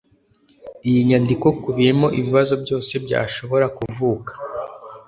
Iyi nyandiko kubiyemo ibibazo byose byashobora kuvuka